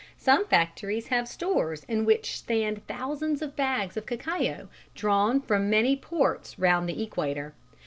Some factories have stores in which stand thousands of bags of cacao drawn from many ports round the equator.